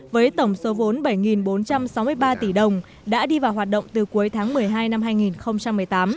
với tổng số vốn bảy bốn trăm sáu mươi ba tỷ đồng đã đi vào hoạt động từ cuối tháng một mươi hai năm hai nghìn một mươi tám